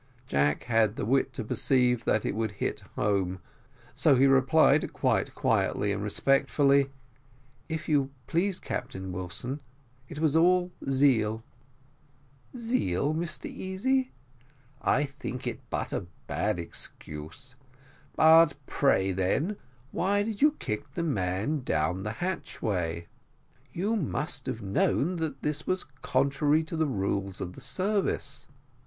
Jack had the wit to perceive that it would hit home, so he replied, very quietly and respectfully: "If you please, Captain Wilson, that was all zeal." "Zeal, Mr Easy? I think it but a bad excuse. But pray, then, why did you kick the man down the hatchway? you must have known that that was contrary to the rules of the service."